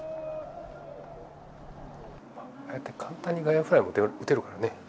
ああやって簡単に外野フライも打てるからね。